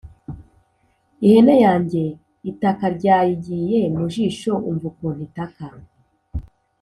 ihene yange itaka ryayigiye mu jisho umva ukuntu itaka